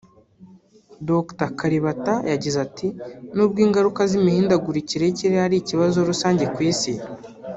Dr Kalibata yagize ati “Nubwo ingaruka z’imihindagurikire y’ikirere ari ikibazo rusange ku isi